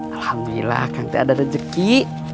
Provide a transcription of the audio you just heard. alhamdulillah akan ada rezeki